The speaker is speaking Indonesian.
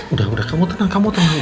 udah udah kamu tenang kamu tenang dulu